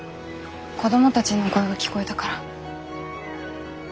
子供たちの声が聞こえたから。